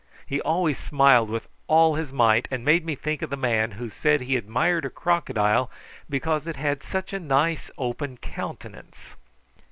He always smiled with all his might and made me think of the man who said he admired a crocodile because it had such a nice open countenance.